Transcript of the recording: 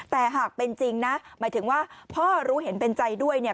แต่หากเป็นจริงนะหมายถึงว่าพ่อรู้เห็นเป็นใจด้วยเนี่ย